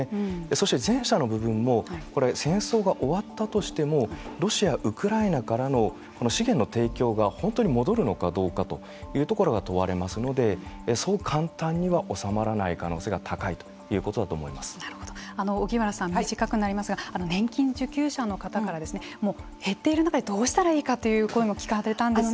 そして前者の部分もこれは戦争が終わったとしてもロシア、ウクライナからの資源の提供が本当に戻るのかどうかというところが問われますのでそう簡単には、おさまらない可能性が高いということだと荻原さん短くなりますが年金受給者の方から減っている中でどうしたらいいかという声も聞かれたんです。